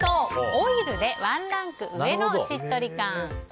オイルでワンランク上のしっとり感！